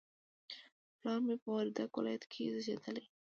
پلار مې په وردګ ولایت کې زیږدلی